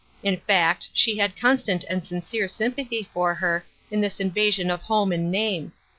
In fact, she had constant and sincere sympathy for her in this invasion of home and name.